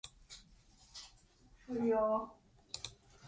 Boyd was one of two grandmothers to sign the handkerchief.